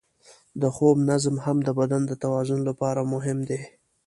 د خوب نظم هم د بدن د توازن لپاره مهم دی.